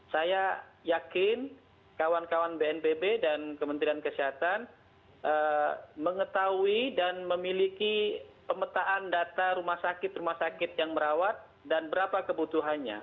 saya yakin kawan kawan bnpb dan kementerian kesehatan mengetahui dan memiliki pemetaan data rumah sakit rumah sakit yang merawat dan berapa kebutuhannya